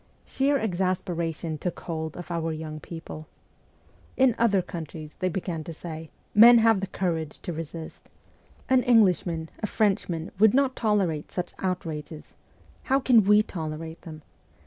Sheer exasperation took hold of our young people. ' In other countries,' they began to say, ' men have the courage to resist. An Englishman, a Frenchman, would not tolerate such outrages. How can we tolerate them